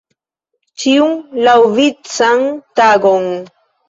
Ĉiun laŭvican tagon.